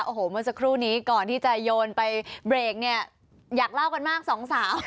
โอ้โหเมื่อสักครู่นี้ก่อนที่จะโยนไปเบรกเนี่ยอยากเล่ากันมากสองสาว